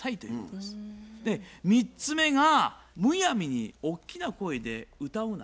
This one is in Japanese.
で３つ目がむやみに大きな声で歌うな。